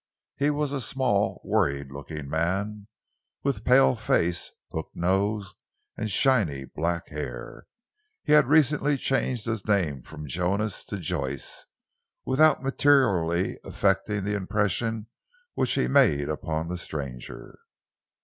He was a small, worried looking man, with pale face, hooked nose and shiny black hair. He had recently changed his name from Jonas to Joyce, without materially affecting the impression which he made upon the stranger.